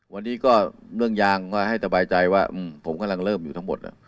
วันนี้ก็เรื่องยางก็ให้สบายใจว่าผมกำลังเริ่มอยู่ทั้งหมด